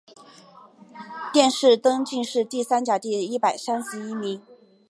殿试登进士第三甲第一百三十一名。